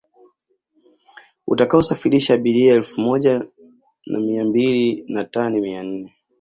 utakaosafirisha abiria elfu moja na mia mbili na tani mia nne